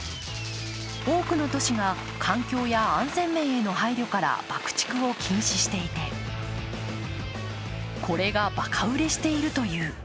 多くの都市が環境や安全面への配慮から爆竹を禁止していて、これがばか売れしているという。